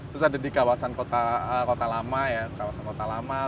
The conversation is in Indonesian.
terus ada di kawasan kota lama ya